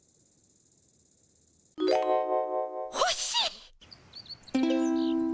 ほしい。